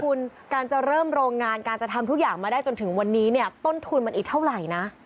คุณการจะเริ่มโรงงานการจะทำทุกอย่างมาได้จนถึงวันนี้เนี่ยต้นทุนมันอีกเท่าไหร่นะ